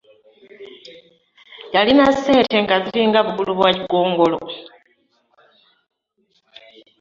Yalina ssente nga ziringa bufulu bwagongolo.